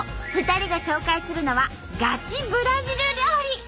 ２人が紹介するのはガチブラジル料理！